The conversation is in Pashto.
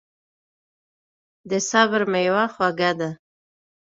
د صبر میوه خوږه ده.